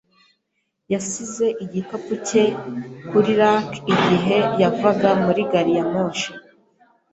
Yasize igikapu cye kuri rack igihe yavaga muri gari ya moshi.